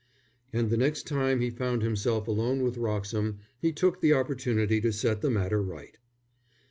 And the next time he found himself alone with Wroxham, he took the opportunity to set the matter right.